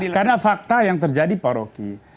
karena fakta yang terjadi pak roky